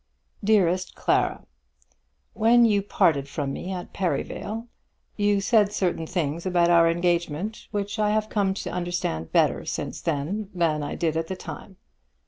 DEAREST CLARA, When you parted from me at Perivale you said certain things about our engagement which I have come to understand better since then, than I did at the time.